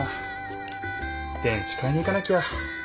電池買いに行かなきゃ。